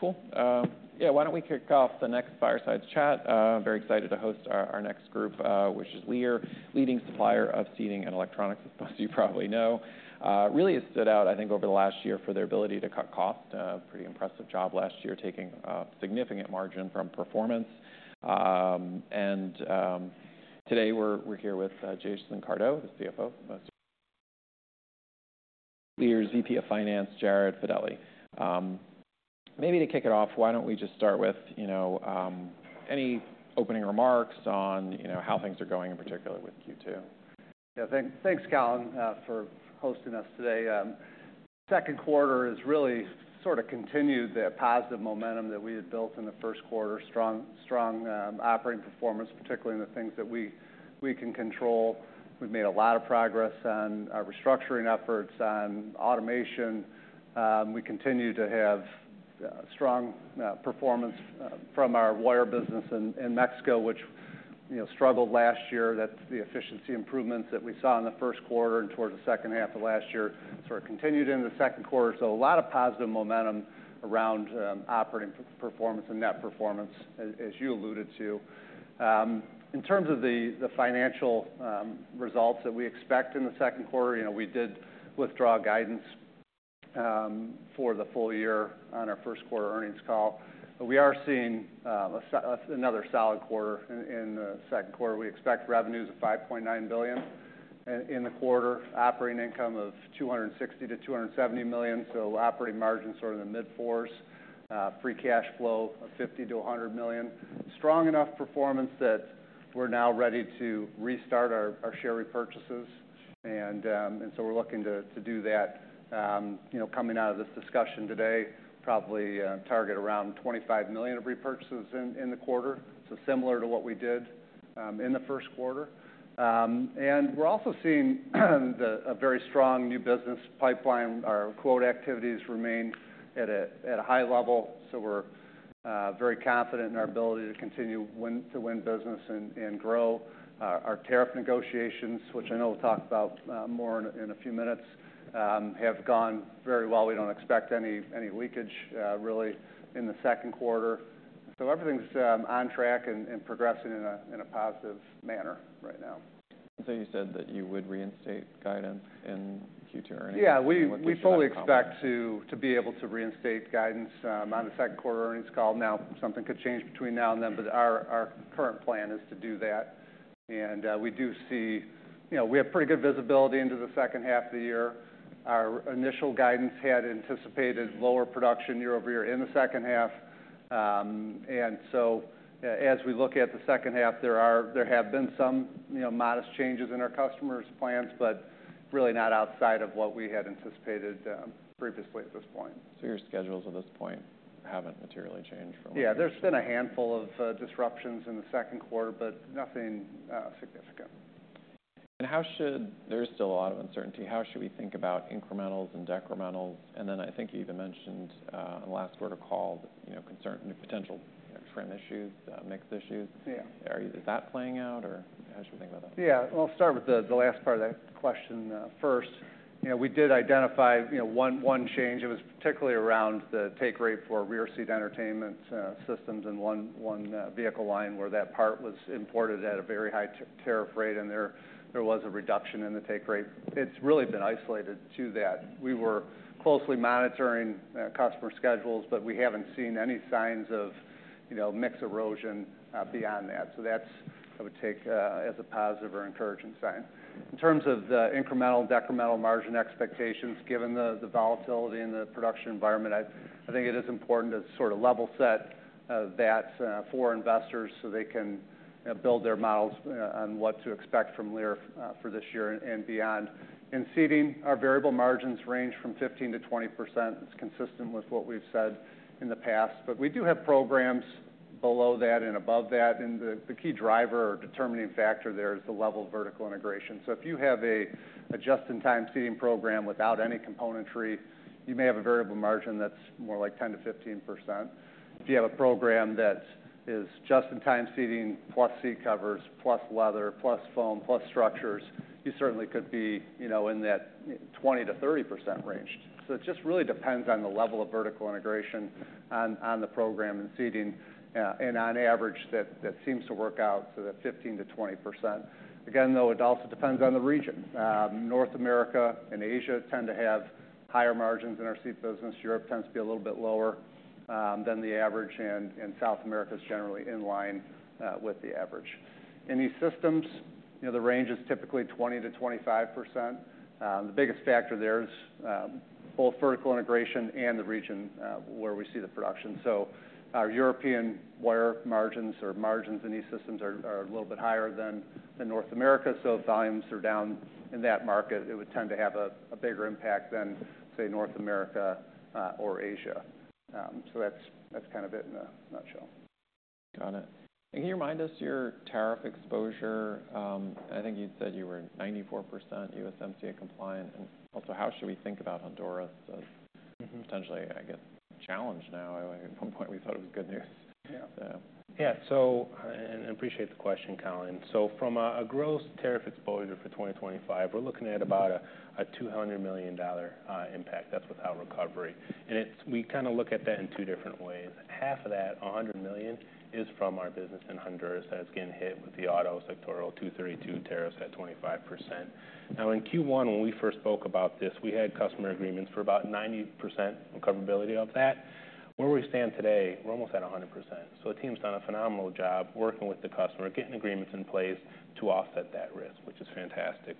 Cool. Yeah, why don't we kick off the next Fireside Chat? Very excited to host our next group, which is Lear, leading supplier of seating and electronics, as most of you probably know. Really has stood out, I think, over the last year for their ability to cut costs. Pretty impressive job last year, taking a significant margin from performance. And today we're here with Jason Cardew, the CFO, Lear's VP of Finance, Jared Fedele. Maybe to kick it off, why don't we just start with, you know, any opening remarks on, you know, how things are going in particular with Q2? Yeah, thanks, Callum, for hosting us today. Second quarter has really sorta continued the positive momentum that we had built in the first quarter. Strong, strong operating performance, particularly in the things that we can control. We've made a lot of progress on restructuring efforts on automation. We continue to have strong performance from our wire business in Mexico, which, you know, struggled last year. That's the efficiency improvements that we saw in the first quarter and towards the second half of last year, sorta continued into the second quarter. A lot of positive momentum around operating performance and net performance, as you alluded to. In terms of the financial results that we expect in the second quarter, you know, we did withdraw guidance for the full year on our first quarter earnings call. We are seeing another solid quarter in the second quarter. We expect revenues of $5.9 billion in the quarter, operating income of $260 million-$270 million. Operating margin is sort of in the mid-4%. Free cash flow of $50 million-$100 million. Strong enough performance that we're now ready to restart our share repurchases, and we're looking to do that. You know, coming out of this discussion today, probably target around $25 million of repurchases in the quarter, so similar to what we did in the first quarter. We're also seeing a very strong new business pipeline. Our quote activities remain at a high level, so we're very confident in our ability to continue to win business and grow. Our tariff negotiations, which I know we'll talk about more in a few minutes, have gone very well. We don't expect any leakage, really, in the second quarter. Everything's on track and progressing in a positive manner right now. You said that you would reinstate guidance in Q2 earnings? Yeah, we fully expect to be able to reinstate guidance on the second quarter earnings call. Now, something could change between now and then, but our current plan is to do that. We do see, you know, we have pretty good visibility into the second half of the year. Our initial guidance had anticipated lower production year over year in the second half. As we look at the second half, there have been some, you know, modest changes in our customers' plans, but really not outside of what we had anticipated previously at this point. Your schedules at this point haven't materially changed from last year? Yeah, there's been a handful of disruptions in the second quarter, but nothing significant. There is still a lot of uncertainty. How should we think about incrementals and decrementals? And then I think you even mentioned, on the last quarter call, you know, concern, potential, you know, trim issues, mixed issues. Yeah. Are you, is that playing out, or how should we think about that? Yeah, I'll start with the last part of that question first. You know, we did identify one change. It was particularly around the take rate for rear-seat entertainment systems and one vehicle line where that part was imported at a very high tariff rate, and there was a reduction in the take rate. It's really been isolated to that. We were closely monitoring customer schedules, but we haven't seen any signs of, you know, mixed erosion beyond that. I would take that as a positive or encouraging sign. In terms of the incremental and decremental margin expectations, given the volatility in the production environment, I think it is important to sorta level set that for investors so they can, you know, build their models on what to expect from Lear for this year and beyond. In seating, our variable margins range from 15-20%. It's consistent with what we've said in the past. We do have programs below that and above that. The key driver or determining factor there is the level of vertical integration. If you have a just-in-time seating program without any componentry, you may have a variable margin that's more like 10-15%. If you have a program that is just-in-time seating plus seat covers plus leather plus foam plus structures, you certainly could be, you know, in that 20-30% range. It just really depends on the level of vertical integration on the program and seating, and on average that seems to work out to the 15-20%. Again, though, it also depends on the region. North America and Asia tend to have higher margins in our seat business. Europe tends to be a little bit lower than the average, and South America is generally in line with the average. In E-Systems, you know, the range is typically 20%-25%. The biggest factor there is both vertical integration and the region where we see the production. Our European wire margins or margins in E-Systems are a little bit higher than North America. If volumes are down in that market, it would tend to have a bigger impact than, say, North America or Asia. That is kind of it in a nutshell. Got it. Can you remind us your tariff exposure? I think you said you were 94% USMCA compliant. Also, how should we think about Honduras as potentially, I guess, challenged now? At one point we thought it was good news. Yeah. So. Yeah, so, and I appreciate the question, Callum. So from a, a gross tariff exposure for 2025, we're looking at about a, a $200 million impact. That's without recovery. And it's, we kinda look at that in two different ways. Half of that, $100 million, is from our business in Honduras that's getting hit with the auto-sectorial 232 tariffs at 25%. Now, in Q1, when we first spoke about this, we had customer agreements for about 90% recoverability of that. Where we stand today, we're almost at 100%. So the team's done a phenomenal job working with the customer, getting agreements in place to offset that risk, which is fantastic.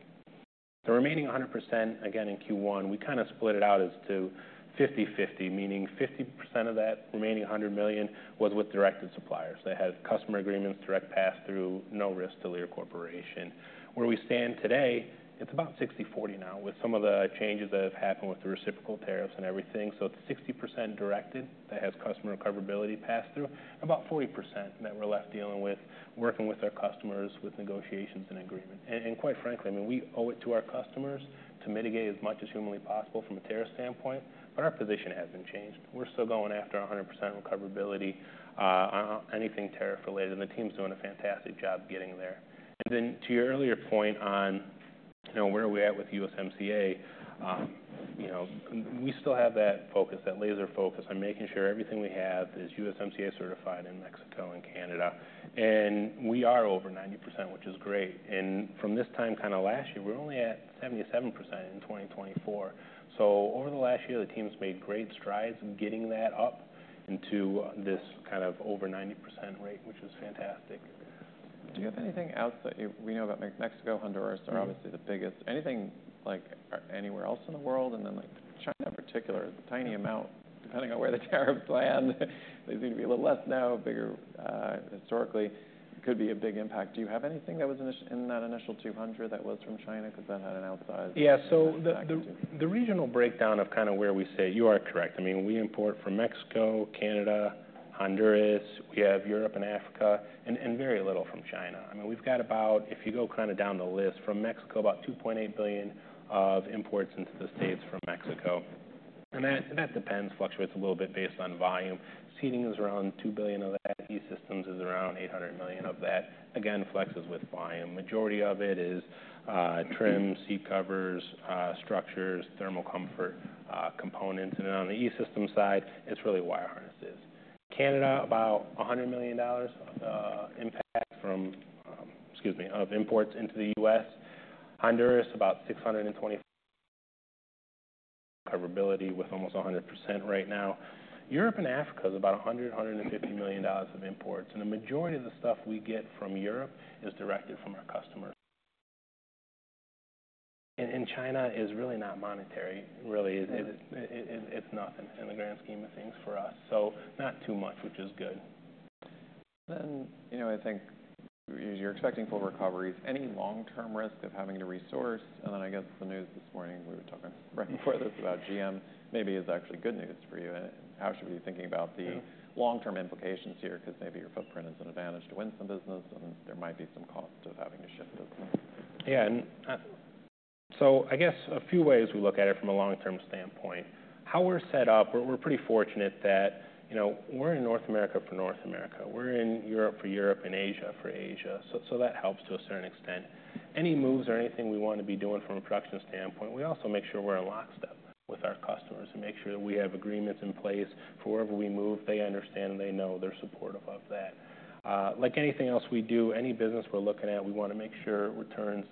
The remaining 100%, again, in Q1, we kinda split it out as to 50/50, meaning 50% of that remaining $100 million was with directed suppliers. They had customer agreements, direct pass-through, no risk to Lear Corporation. Where we stand today, it's about 60/40 now with some of the changes that have happened with the reciprocal tariffs and everything. It's 60% directed that has customer recoverability pass-through, and about 40% that we're left dealing with working with our customers with negotiations and agreement. And, quite frankly, I mean, we owe it to our customers to mitigate as much as humanly possible from a tariff standpoint, but our position hasn't changed. We're still going after 100% recoverability, on anything tariff-related, and the team's doing a fantastic job getting there. Then to your earlier point on, you know, where we're at with USMCA, you know, we still have that focus, that laser focus on making sure everything we have is USMCA certified in Mexico and Canada. We are over 90%, which is great. From this time kind of last year, we were only at 77% in 2024. Over the last year, the team's made great strides getting that up into this kind of over 90% rate, which is fantastic. Do you have anything else that you know about, like, Mexico, Honduras are obviously the biggest. Anything, like, anywhere else in the world? Like, China in particular, tiny amount, depending on where the tariffs land. They seem to be a little less now, bigger, historically. Could be a big impact. Do you have anything that was in that initial 200 that was from China? 'Cause then had an outsize. Yeah, so the regional breakdown of kinda where we sit, you are correct. I mean, we import from Mexico, Canada, Honduras. We have Europe and Africa, and very little from China. I mean, we've got about, if you go kinda down the list, from Mexico, about $2.8 billion of imports into the U.S. from Mexico. That depends, fluctuates a little bit based on volume. Seating is around $2 billion of that. E-Systems is around $800 million of that. Again, flexes with volume. Majority of it is trim, seat covers, structures, thermal comfort, components. On the E-Systems side, it's really wire harnesses. Canada, about $100 million of imports into the U.S. Honduras, about $620 million recoverability with almost 100% right now. Europe and Africa is about $100 million-$150 million of imports. The majority of the stuff we get from Europe is directed from our customers. And China is really not monetary, really. It is nothing in the grand scheme of things for us. Not too much, which is good. You know, I think you're expecting full recoveries. Any long-term risk of having to resource? I guess the news this morning, we were talking right before this about GM, maybe is actually good news for you. How should we be thinking about the long-term implications here? 'Cause maybe your footprint is an advantage to win some business, and there might be some cost of having to shift business. Yeah, and, I guess a few ways we look at it from a long-term standpoint. How we're set up, we're pretty fortunate that, you know, we're in North America for North America. We're in Europe for Europe and Asia for Asia. That helps to a certain extent. Any moves or anything we wanna be doing from a production standpoint, we also make sure we're in lockstep with our customers and make sure that we have agreements in place for wherever we move. They understand and they know they're supportive of that. Like anything else we do, any business we're looking at, we wanna make sure returns,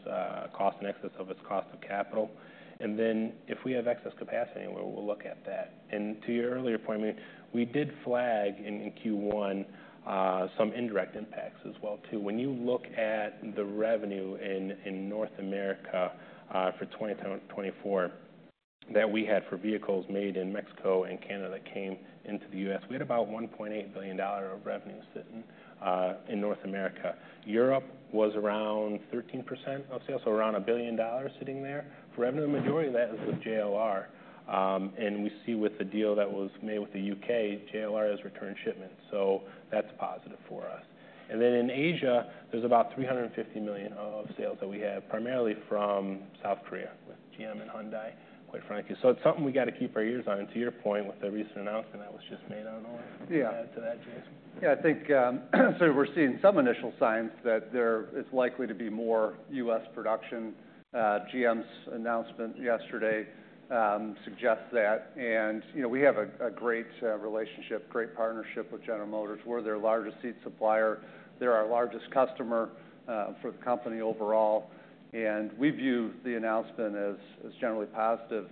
cost and excess of its cost of capital. And then if we have excess capacity anywhere, we'll look at that. To your earlier point, I mean, we did flag in Q1 some indirect impacts as well too. When you look at the revenue in North America for 2024 that we had for vehicles made in Mexico and Canada that came into the U.S., we had about $1.8 billion of revenue sitting in North America. Europe was around 13% of sales, so around $1 billion sitting there. Revenue, the majority of that is with JLR. We see with the deal that was made with the U.K., JLR has returned shipments. That is positive for us. In Asia, there is about $350 million of sales that we have, primarily from South Korea with GM and Hyundai, quite frankly. It is something we gotta keep our ears on. To your point with the recent announcement that was just made, I do not know if you can add to that, Jason. Yeah, I think we're seeing some initial signs that there is likely to be more U.S. production. GM's announcement yesterday suggests that. You know, we have a great relationship, great partnership with General Motors. We're their largest seat supplier. They're our largest customer for the company overall. We view the announcement as generally positive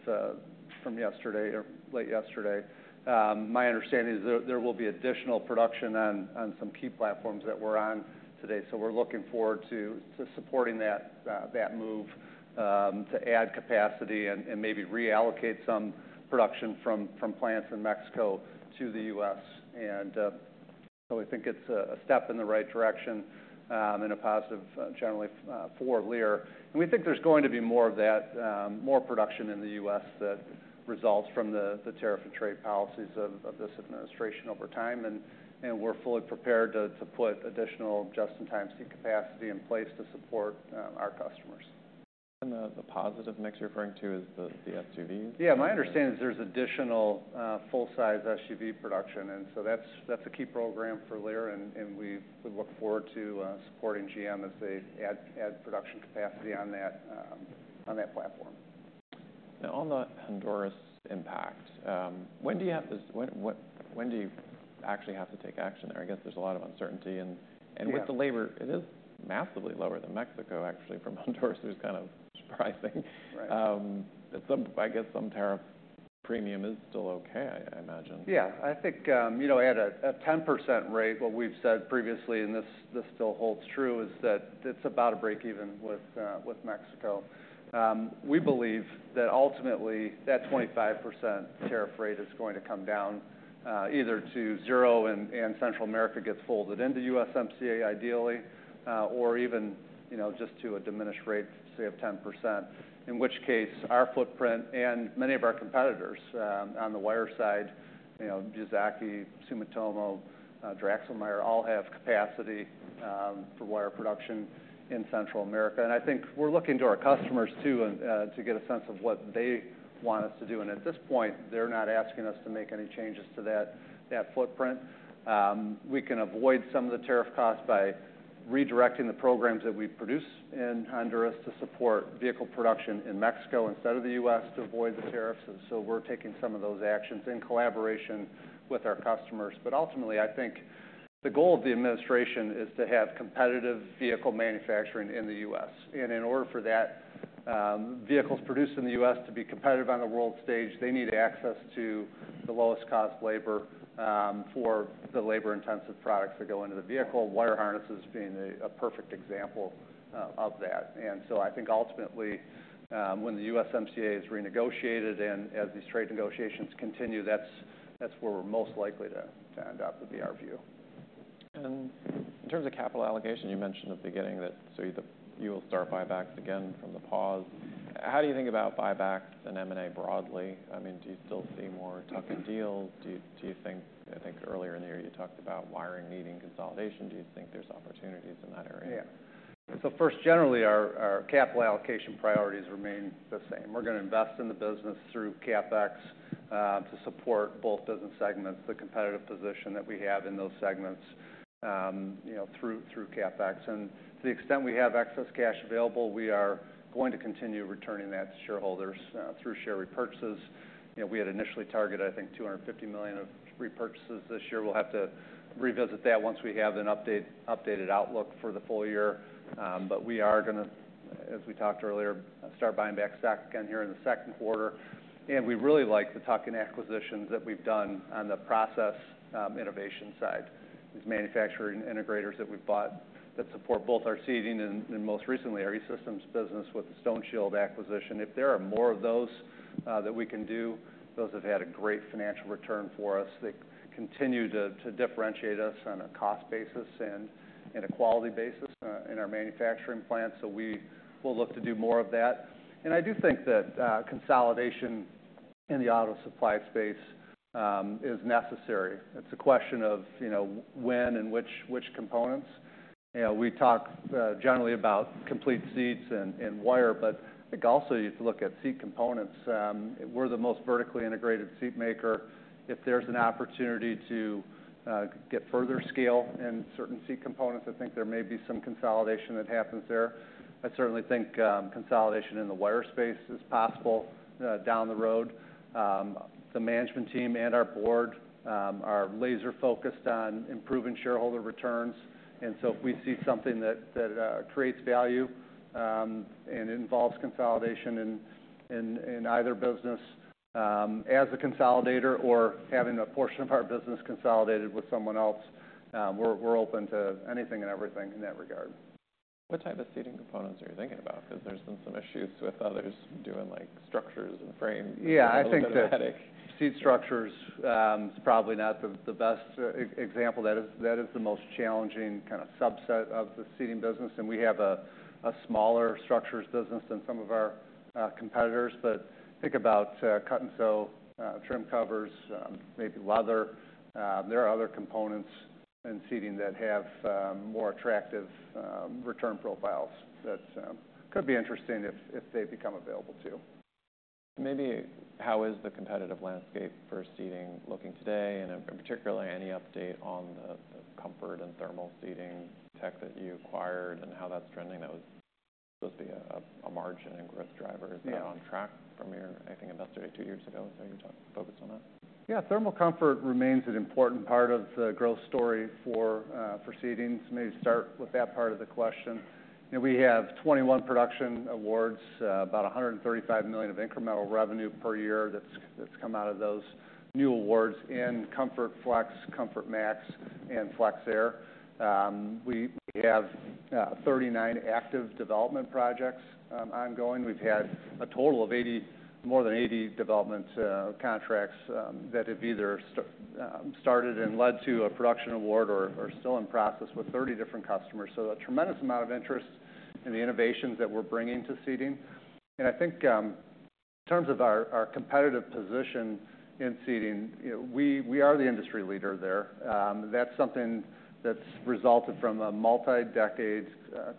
from yesterday or late yesterday. My understanding is there will be additional production on some key platforms that we're on today. We're looking forward to supporting that move to add capacity and maybe reallocate some production from plants in Mexico to the U.S. We think it's a step in the right direction and a positive, generally, for Lear. We think there's going to be more of that, more production in the U.S. that results from the tariff and trade policies of this administration over time. We are fully prepared to put additional just-in-time seat capacity in place to support our customers. The positive mix you're referring to is the SUVs? Yeah, my understanding is there's additional full-size SUV production. That's a key program for Lear. We look forward to supporting GM as they add production capacity on that platform. Now, on the Honduras impact, when do you actually have to take action there? I guess there's a lot of uncertainty. With the labor, it is massively lower than Mexico, actually, from Honduras. It was kind of surprising. Right. Some, I guess some tariff premium is still okay, I imagine. Yeah, I think, you know, at a 10% rate, what we've said previously, and this still holds true, is that it's about a break-even with Mexico. We believe that ultimately that 25% tariff rate is going to come down, either to zero and Central America gets folded into USMCA ideally, or even, you know, just to a diminished rate, say, of 10%, in which case our footprint and many of our competitors, on the wire side, you know, Yazaki, Sumitomo, Dräxlmaier, all have capacity for wire production in Central America. I think we're looking to our customers too, to get a sense of what they want us to do. At this point, they're not asking us to make any changes to that footprint. We can avoid some of the tariff costs by redirecting the programs that we produce in Honduras to support vehicle production in Mexico instead of the U.S. to avoid the tariffs. We are taking some of those actions in collaboration with our customers. Ultimately, I think the goal of the administration is to have competitive vehicle manufacturing in the U.S. In order for vehicles produced in the U.S. to be competitive on the world stage, they need access to the lowest cost labor for the labor-intensive products that go into the vehicle. Wire harnesses being a perfect example of that. I think ultimately, when the USMCA is renegotiated and as these trade negotiations continue, that's where we're most likely to end up would be our view. In terms of capital allocation, you mentioned at the beginning that you will start buybacks again from the pause. How do you think about buybacks and M&A broadly? I mean, do you still see more tuck-in deals? Do you think, I think earlier in the year you talked about wiring needing consolidation. Do you think there's opportunities in that area? Yeah. So first, generally, our capital allocation priorities remain the same. We're gonna invest in the business through CapEx, to support both business segments, the competitive position that we have in those segments, you know, through CapEx. And to the extent we have excess cash available, we are going to continue returning that to shareholders, through share repurchases. You know, we had initially targeted, I think, $250 million of repurchases this year. We'll have to revisit that once we have an updated outlook for the full year. We are gonna, as we talked earlier, start buying back stock again here in the second quarter. We really like the tuck-in acquisitions that we've done on the process, innovation side, these manufacturing integrators that we've bought that support both our seating and, most recently, our E-Systems business with the StoneShield acquisition. If there are more of those that we can do, those have had a great financial return for us. They continue to differentiate us on a cost basis and a quality basis in our manufacturing plant. We will look to do more of that. I do think that consolidation in the auto supply space is necessary. It's a question of, you know, when and which components. You know, we talk generally about complete seats and wire, but I think also you have to look at seat components. We're the most vertically integrated seat maker. If there's an opportunity to get further scale in certain seat components, I think there may be some consolidation that happens there. I certainly think consolidation in the wire space is possible down the road. The management team and our board are laser-focused on improving shareholder returns. If we see something that creates value, and involves consolidation in either business, as a consolidator or having a portion of our business consolidated with someone else, we're open to anything and everything in that regard. What type of seating components are you thinking about? 'Cause there's been some issues with others doing, like, structures and frames. Yeah, I think that seat structures is probably not the, the best example. That is, that is the most challenging kinda subset of the seating business. And we have a, a smaller structures business than some of our competitors. But think about cut-and-sew, trim covers, maybe leather. There are other components in seating that have more attractive return profiles that could be interesting if, if they become available too. Maybe how is the competitive landscape for seating looking today? And particularly any update on the comfort and thermal seating tech that you acquired and how that's trending? That was supposed to be a margin and growth driver. Is that on track from your, I think, investigation two years ago? Is that your talk focused on that? Yeah, thermal comfort remains an important part of the growth story for, for seatings. Maybe start with that part of the question. You know, we have 21 production awards, about $135 million of incremental revenue per year that's, that's come out of those new awards in Comfort Flex, Comfort Max, and FlexAir. We have 39 active development projects ongoing. We've had a total of more than 80 development contracts that have either started and led to a production award or are still in process with 30 different customers. A tremendous amount of interest in the innovations that we're bringing to seating. I think, in terms of our competitive position in seating, you know, we are the industry leader there. That's something that's resulted from a multi-decade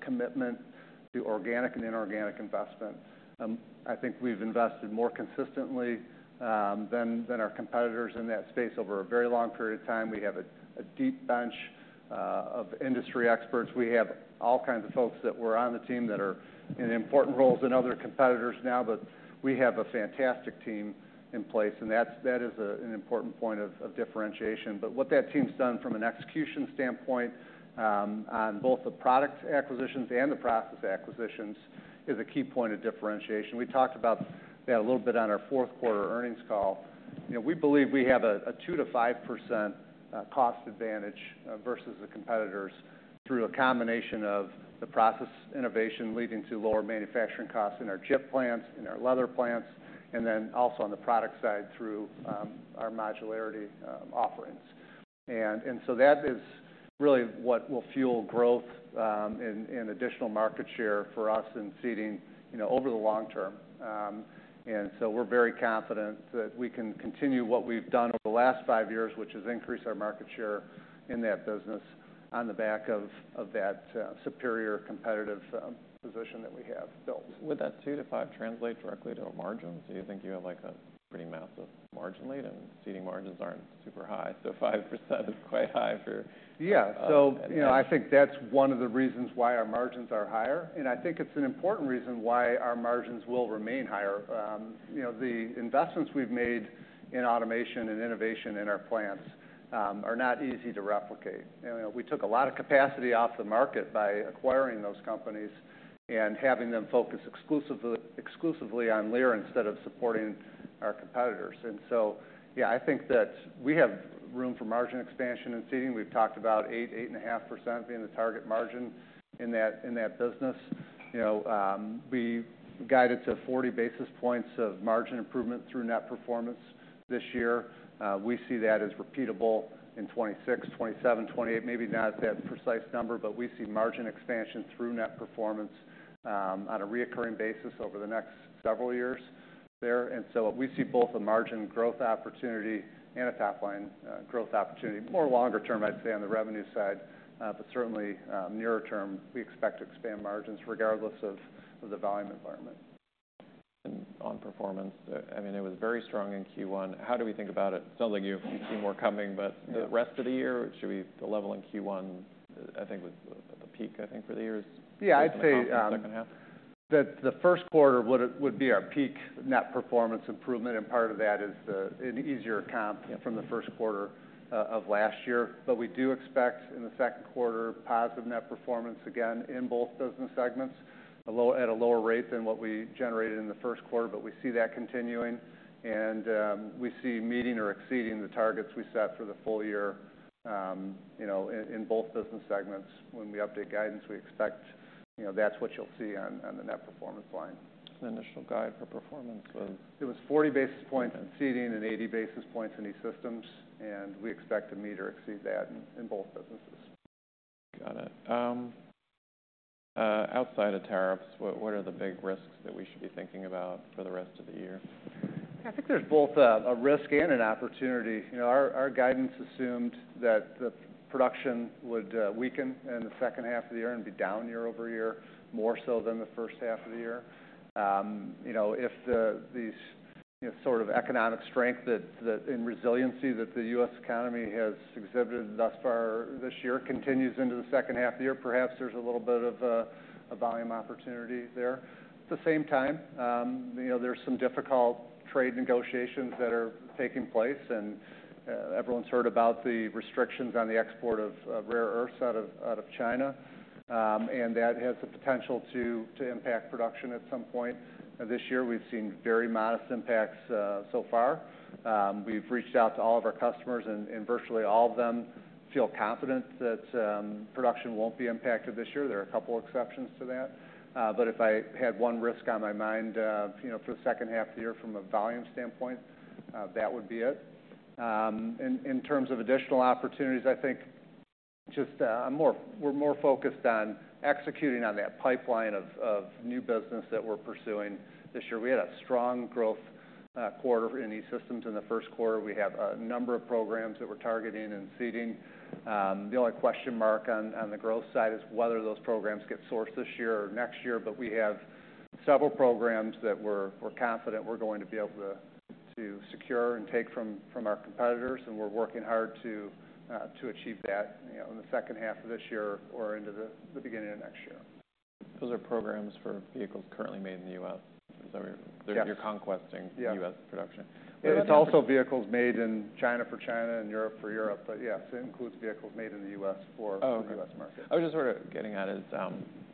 commitment to organic and inorganic investment. I think we've invested more consistently than our competitors in that space over a very long period of time. We have a deep bench of industry experts. We have all kinds of folks that were on the team that are in important roles in other competitors now, but we have a fantastic team in place. That is an important point of differentiation. What that team's done from an execution standpoint, on both the product acquisitions and the process acquisitions, is a key point of differentiation. We talked about that a little bit on our fourth quarter earnings call. You know, we believe we have a 2-5% cost advantage versus the competitors through a combination of the process innovation leading to lower manufacturing costs in our chip plants, in our leather plants, and then also on the product side through our modularity offerings. That is really what will fuel growth and additional market share for us in seating, you know, over the long term. We are very confident that we can continue what we've done over the last five years, which is increase our market share in that business on the back of that superior competitive position that we have built. Would that 2-5 translate directly to a margin? Do you think you have, like, a pretty massive margin lead and seating margins aren't super high? 5% is quite high for. Yeah. So, you know, I think that's one of the reasons why our margins are higher. I think it's an important reason why our margins will remain higher. You know, the investments we've made in automation and innovation in our plants are not easy to replicate. You know, we took a lot of capacity off the market by acquiring those companies and having them focus exclusively, exclusively on Lear instead of supporting our competitors. Yeah, I think that we have room for margin expansion in seating. We've talked about 8%-8.5% being the target margin in that business. You know, we guided to 40 basis points of margin improvement through net performance this year. We see that as repeatable in 2026, 2027, 2028. Maybe not that precise number, but we see margin expansion through net performance, on a reoccurring basis over the next several years there. We see both a margin growth opportunity and a top line growth opportunity more longer term, I'd say, on the revenue side. Certainly, nearer term, we expect to expand margins regardless of the volume environment. On performance, I mean, it was very strong in Q1. How do we think about it? It sounds like you've seen more coming, but the rest of the year, should we be level in Q1? I think it was at the peak, I think, for the year. Yeah, I'd say that the first quarter would be our peak net performance improvement. Part of that is an easier comp from the first quarter of last year. We do expect in the second quarter positive net performance again in both business segments, at a lower rate than what we generated in the first quarter. We see that continuing. We see meeting or exceeding the targets we set for the full year, you know, in both business segments. When we update guidance, we expect, you know, that's what you'll see on the net performance line. The initial guide for performance was. It was 40 basis points in seating and 80 basis points in E-Systems. We expect to meet or exceed that in, in both businesses. Got it. Outside of tariffs, what, what are the big risks that we should be thinking about for the rest of the year? I think there's both a risk and an opportunity. You know, our guidance assumed that the production would weaken in the second half of the year and be down year over year more so than the first half of the year. You know, if the, you know, sort of economic strength and resiliency that the U.S. economy has exhibited thus far this year continues into the second half of the year, perhaps there's a little bit of a volume opportunity there. At the same time, you know, there are some difficult trade negotiations that are taking place. Everyone's heard about the restrictions on the export of rare earths out of China, and that has the potential to impact production at some point. This year we've seen very modest impacts so far. We've reached out to all of our customers, and virtually all of them feel confident that production will not be impacted this year. There are a couple of exceptions to that. If I had one risk on my mind, you know, for the second half of the year from a volume standpoint, that would be it. In terms of additional opportunities, I think just, we're more focused on executing on that pipeline of new business that we're pursuing this year. We had a strong growth quarter in E-Systems. In the first quarter, we have a number of programs that we're targeting in Seating. The only question mark on the growth side is whether those programs get sourced this year or next year. We have several programs that we're confident we're going to be able to secure and take from our competitors. We're working hard to achieve that, you know, in the second half of this year or into the beginning of next year. Those are programs for vehicles currently made in the U.S. Is that what you're conquesting? Yeah. U.S. production? It's also vehicles made in China for China and Europe for Europe. Yes, it includes vehicles made in the U.S. for. Oh, for the U.S. market. I was just sort of getting at is,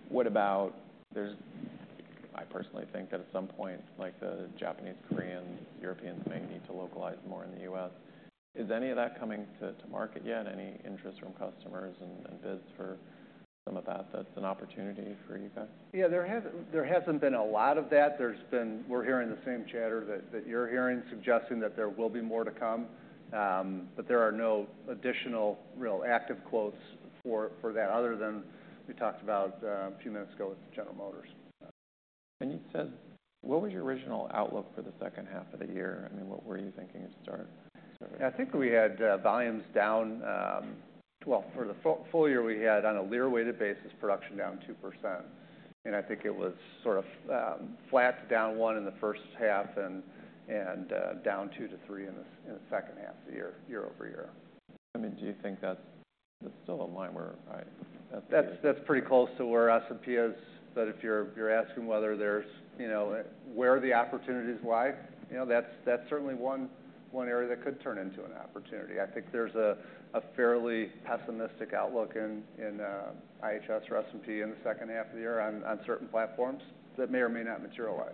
what about there's, I personally think that at some point, like, the Japanese, Koreans, Europeans may need to localize more in the U.S. Is any of that coming to market yet? Any interest from customers and bids for some of that, that's an opportunity for you guys? Yeah, there hasn't been a lot of that. We're hearing the same chatter that you're hearing suggesting that there will be more to come. There are no additional real active quotes for that other than we talked about a few minutes ago with General Motors. You said what was your original outlook for the second half of the year? I mean, what were you thinking at the start? Yeah, I think we had volumes down, well, for the full year, we had on a Lear-weighted basis production down 2%. I think it was sort of flat down one in the first half and down two to three in the second half of the year, year over year. I mean, do you think that's still a line where I, that's. That's pretty close to where S&P is. If you're asking whether there's, you know, where the opportunities lie, you know, that's certainly one area that could turn into an opportunity. I think there's a fairly pessimistic outlook in IHS or S&P in the second half of the year on certain platforms that may or may not materialize.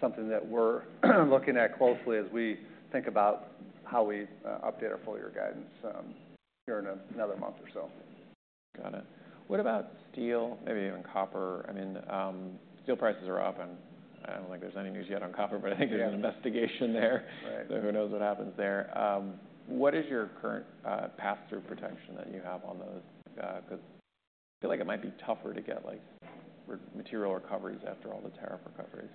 Something that we're looking at closely as we think about how we update our full-year guidance, here in another month or so. Got it. What about steel, maybe even copper? I mean, steel prices are up. I do not think there is any news yet on copper, but I think there is an investigation there. Who knows what happens there? What is your current pass-through protection that you have on those, 'cause I feel like it might be tougher to get, like, material recoveries after all the tariff recoveries.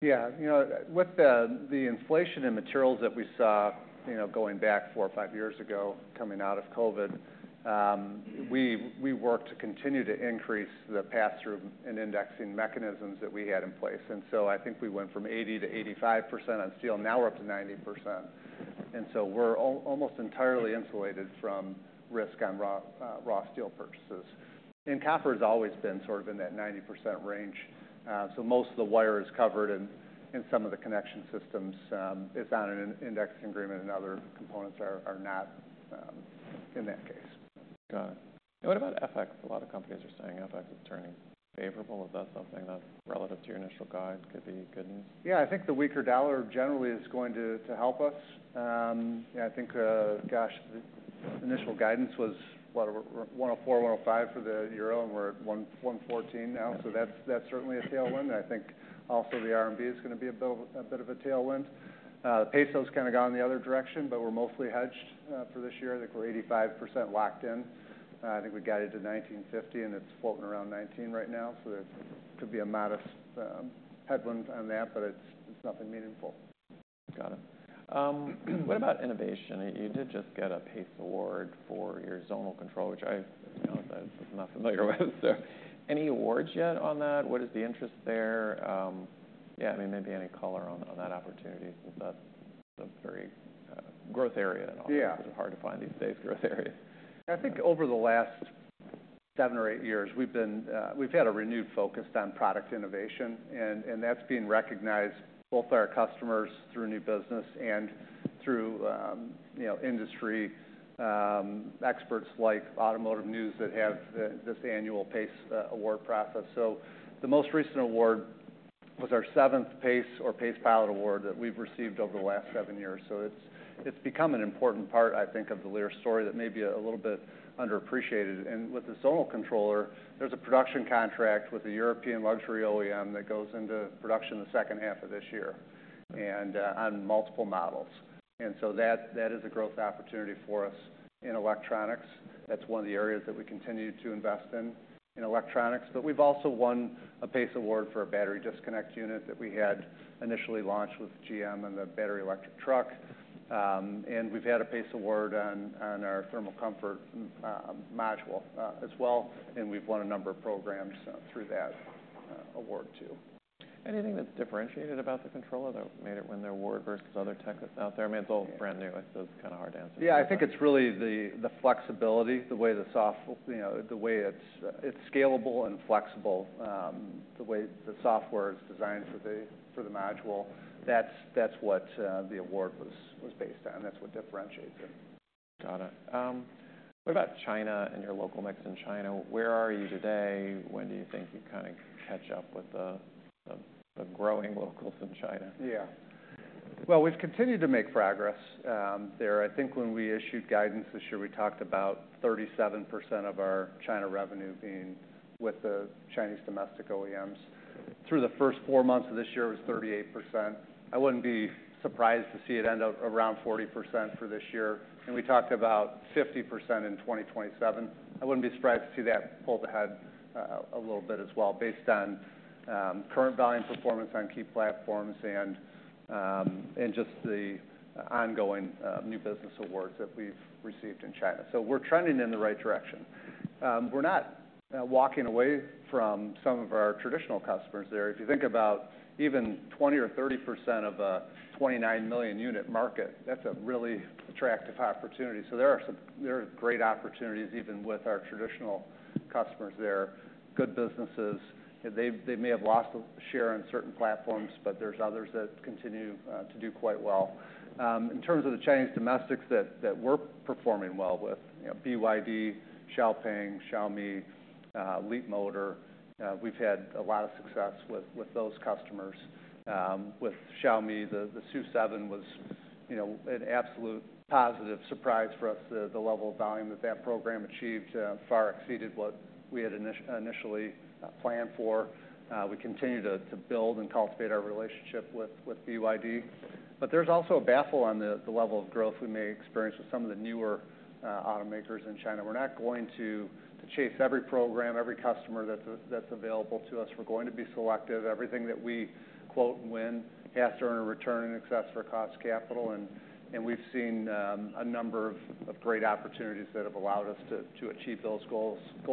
Yeah, you know, with the inflation in materials that we saw, you know, going back four or five years ago coming out of COVID, we worked to continue to increase the pass-through and indexing mechanisms that we had in place. I think we went from 80% to 85% on steel. Now we're up to 90%. We are almost entirely insulated from risk on raw, raw steel purchases. Copper has always been sort of in that 90% range, so most of the wire is covered. In some of the connection systems, it's on an indexing agreement, and other components are not, in that case. Got it. What about FX? A lot of companies are saying FX is turning favorable. Is that something that relative to your initial guide could be good news? Yeah, I think the weaker dollar generally is going to help us. Yeah, I think, gosh, the initial guidance was what, 1.04, 1.05 for the EUR, and we're at 1.114 now. So that's certainly a tailwind. I think also the CNY is gonna be a bit, a bit of a tailwind. The MXN's kinda gone the other direction, but we're mostly hedged for this year. I think we're 85% locked in. I think we got it to 19.50, and it's floating around 19 right now. So there could be a modest headwind on that, but it's nothing meaningful. Got it. What about innovation? You did just get a PACE award for your zonal control, which I, to be honest, I was not familiar with. So any awards yet on that? What is the interest there? Yeah, I mean, maybe any color on that opportunity since that's a very growth area and often sort of hard to find these days, growth areas. Yeah. I think over the last seven or eight years, we've had a renewed focus on product innovation. And that's being recognized both by our customers through new business and through, you know, industry experts like Automotive News that have this annual PACE award process. The most recent award was our seventh PACE or PACE Pilot award that we've received over the last seven years. It's become an important part, I think, of the Lear story that may be a little bit underappreciated. With the zonal controller, there's a production contract with a European luxury OEM that goes into production the second half of this year on multiple models. That is a growth opportunity for us in electronics. That's one of the areas that we continue to invest in, in electronics. We have also won a PACE award for a Battery Disconnect Unit that we had initially launched with GM and the battery electric truck. We have had a PACE award on our thermal comfort module as well. We have won a number of programs through that award too. Anything that's differentiated about the controller that made it win the award versus other tech that's out there? I mean, it's all brand new. It's kinda hard to answer. Yeah, I think it's really the flexibility, the way the, you know, the way it's scalable and flexible, the way the software is designed for the module. That's what the award was based on. That's what differentiates it. Got it. What about China and your local mix in China? Where are you today? When do you think you kinda catch up with the growing locals in China? Yeah. We've continued to make progress there. I think when we issued guidance this year, we talked about 37% of our China revenue being with the Chinese domestic OEMs. Through the first four months of this year, it was 38%. I wouldn't be surprised to see it end up around 40% for this year. We talked about 50% in 2027. I wouldn't be surprised to see that pull ahead a little bit as well based on current volume performance on key platforms and just the ongoing new business awards that we've received in China. We're trending in the right direction. We're not walking away from some of our traditional customers there. If you think about even 20% or 30% of a 29 million unit market, that's a really attractive opportunity. There are great opportunities even with our traditional customers there. Good businesses. They may have lost share on certain platforms, but there's others that continue to do quite well. In terms of the Chinese domestics that we're performing well with, you know, BYD, XPeng, Xiaomi, Leapmotor, we've had a lot of success with those customers. With Xiaomi, the SU7 was, you know, an absolute positive surprise for us. The level of volume that that program achieved far exceeded what we had initially planned for. We continue to build and cultivate our relationship with BYD. There is also a baffle on the level of growth we may experience with some of the newer automakers in China. We're not going to chase every program, every customer that's available to us. We're going to be selective. Everything that we quote and win has to earn a return in excess of our cost capital. We've seen a number of great opportunities that have allowed us to achieve those goals and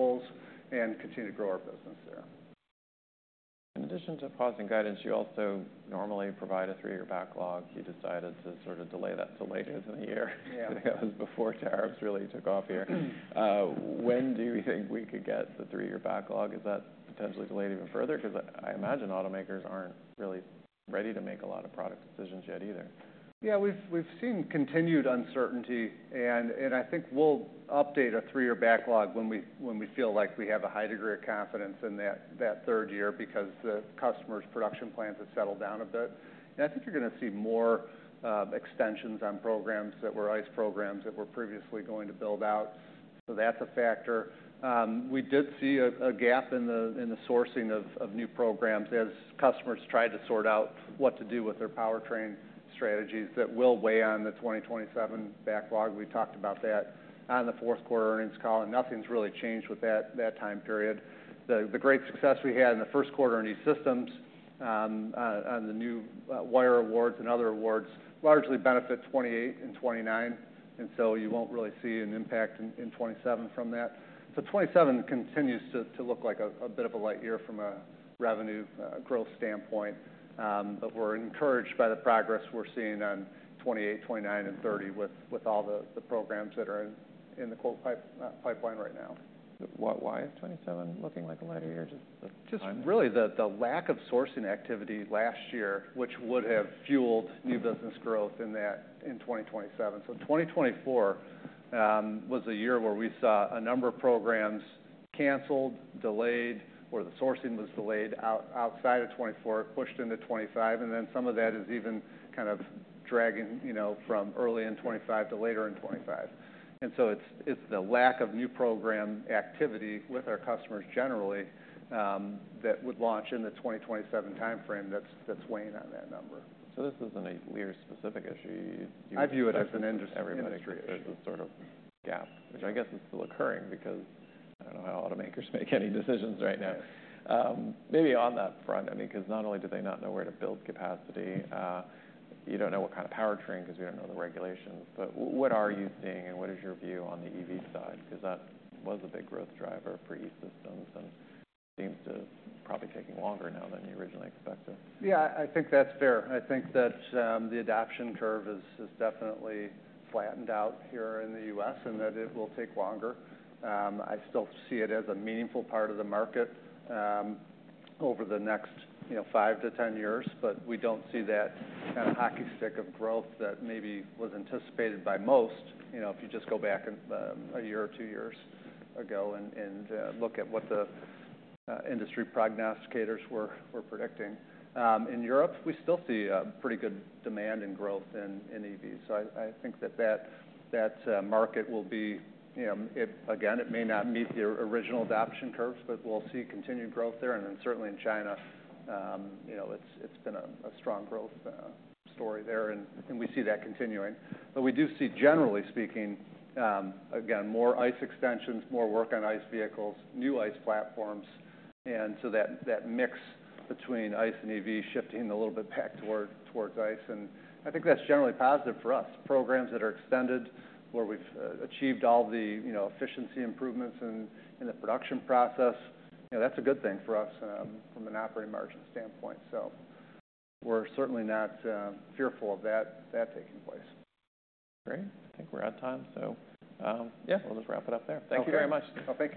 continue to grow our business there. In addition to pausing guidance, you also normally provide a three-year backlog. You decided to sort of delay that till late in the year. Yeah. I think that was before tariffs really took off here. When do you think we could get the three-year backlog? Is that potentially delayed even further? 'Cause I imagine automakers aren't really ready to make a lot of product decisions yet either. Yeah, we've seen continued uncertainty. I think we'll update a three-year backlog when we feel like we have a high degree of confidence in that third year because the customer's production plans have settled down a bit. I think you're gonna see more extensions on programs that were ICE programs that were previously going to build out. That's a factor. We did see a gap in the sourcing of new programs as customers tried to sort out what to do with their powertrain strategies that will weigh on the 2027 backlog. We talked about that on the fourth quarter earnings call. Nothing's really changed with that time period. The great success we had in the first quarter in E-Systems, on the new wire awards and other awards, largely benefit 2028 and 2029. You will not really see an impact in 2027 from that. 2027 continues to look like a bit of a light year from a revenue growth standpoint, but we are encouraged by the progress we are seeing on 2028, 2029, and 2030 with all the programs that are in the quote pipeline right now. Why is 2027 looking like a lighter year? Just really the lack of sourcing activity last year, which would have fueled new business growth in 2027. 2024 was a year where we saw a number of programs canceled, delayed, where the sourcing was delayed outside of 2024, pushed into 2025. Some of that is even kind of dragging from early in 2025 to later in 2025. It is the lack of new program activity with our customers generally, that would launch in the 2027 timeframe, that is weighing on that number. This is not a Lear-specific issue. I view it as an industry issue. Everybody creates this sort of gap, which I guess is still occurring because I don't know how automakers make any decisions right now. Maybe on that front, I mean, 'cause not only do they not know where to build capacity, you don't know what kind of powertrain 'cause we don't know the regulations. What are you seeing and what is your view on the EV side? 'Cause that was a big growth driver for E-Systems and seems to probably be taking longer now than you originally expected. Yeah, I think that's fair. I think that the adoption curve is definitely flattened out here in the U.S. and that it will take longer. I still see it as a meaningful part of the market over the next, you know, five to ten years. We do not see that kind of hockey stick of growth that maybe was anticipated by most, you know, if you just go back in a year or two years ago and look at what the industry prognosticators were predicting. In Europe, we still see pretty good demand and growth in EVs. I think that market will be, you know, it again, it may not meet the original adoption curves, but we will see continued growth there. Certainly in China, you know, it's been a strong growth story there. We see that continuing. We do see, generally speaking, again, more ICE extensions, more work on ICE vehicles, new ICE platforms. That mix between ICE and EV is shifting a little bit back towards ICE. I think that is generally positive for us. Programs that are extended where we have achieved all the, you know, efficiency improvements in the production process, that is a good thing for us from an operating margin standpoint. We are certainly not fearful of that taking place. Great. I think we're out of time. So, yeah, we'll just wrap it up there. Thank you very much. Okay.